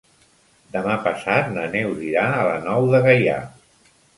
Demà passat na Neus irà a la Nou de Gaià.